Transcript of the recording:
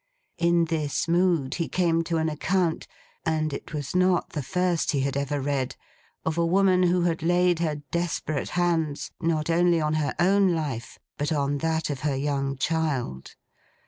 In this mood, he came to an account (and it was not the first he had ever read) of a woman who had laid her desperate hands not only on her own life but on that of her young child.